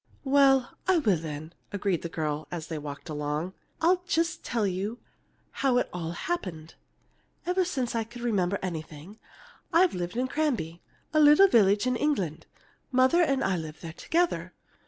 "Well, I will then," agreed the girl, as they walked along. "I'll just tell you how it all happened. Ever since I can remember anything, I've lived in Cranby, a little village in England. Mother and I lived there together.